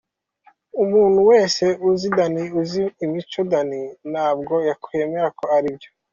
Umuntu wese uzi Danny uzi imico ya Danny ntabwo yakwemera ko ari byo.